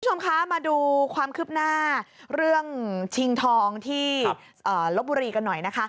คุณผู้ชมคะมาดูความคืบหน้าเรื่องชิงทองที่ลบบุรีกันหน่อยนะคะ